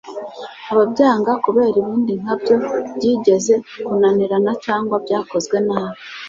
ababyanga kubera ibindi nkabyo byigeze kunanirana cyangwa byakozwe nabi